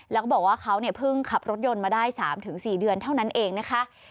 แล้วก็บอกว่าเขาเพิ่งขับรถยนต์มาได้๓๔เดือนเท่านั้นเองนะคะ